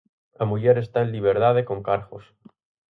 A muller está en liberdade con cargos.